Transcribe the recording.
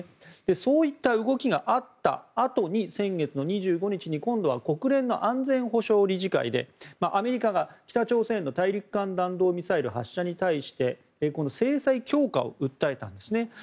そういった動きがあったあとに先月の２５日に今度は国連の安全保障理事会でアメリカが北朝鮮の大陸間弾道ミサイル発射に対してこの制裁強化を訴えたんですね。